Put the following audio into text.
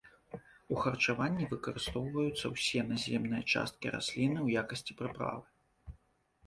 У харчаванні выкарыстоўваюцца ўсе наземныя часткі расліны ў якасці прыправы.